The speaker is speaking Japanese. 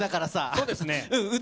そうですね。